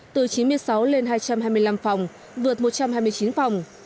từ chín mươi sáu lên hai trăm hai mươi năm phòng vượt một trăm hai mươi chín phòng